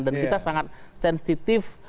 dan kita sangat sensitif